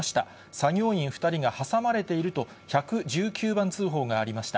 作業員２人が挟まれていると、１１９番通報がありました。